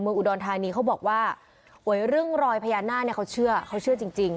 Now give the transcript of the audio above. เมืองอุดรทานีเขาบอกว่าเรื่องรอยพญานาคเขาเชื่อเขาเชื่อจริง